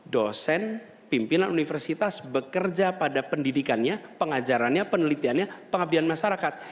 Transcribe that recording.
dosen pimpinan universitas bekerja pada pendidikannya pengajarannya penelitiannya pengabdian masyarakat